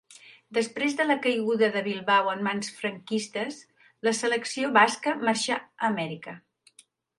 Després de la caiguda de Bilbao en mans franquistes, la selecció basca marxà a Amèrica.